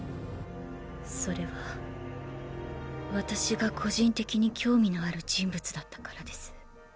それは私が個人的に興味のある人物だったからです。